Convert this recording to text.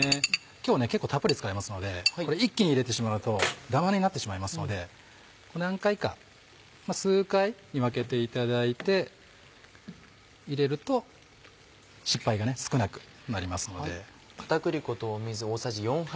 今日結構たっぷり使いますのでこれ一気に入れてしまうとダマになってしまいますので何回か数回に分けていただいて入れると失敗が少なくなりますので。